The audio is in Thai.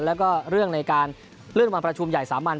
แล้วก็เรื่องในการเลื่อนวันประชุมใหญ่สามัญ